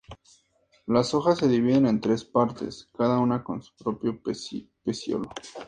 Las hojas se dividen en tres partes, cada una con su propio pecíolo.